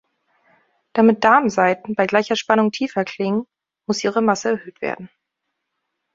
Damit Darmsaiten bei gleicher Spannung tiefer klingen, muss ihre Masse erhöht werden.